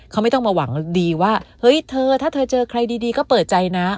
เขาไม่ต้องมาหวังดีว่าเฮ้ยเธอถ้าเธอเจอใครดีก็เปิดใจนะ